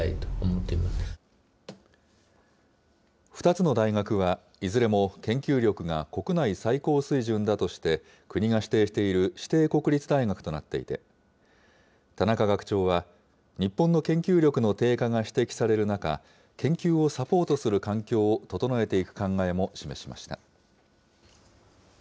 ２つの大学はいずれも研究力が国内最高水準だとして、国が指定している指定国立大学となっていて、田中学長は、日本の研究力の低下が指摘される中、研究をサポートする環境を整えていく考えも示しました。